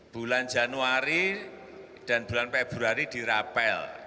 bulan januari dan bulan februari dirapel